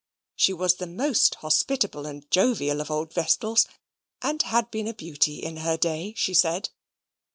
She was the most hospitable and jovial of old vestals, and had been a beauty in her day, she said.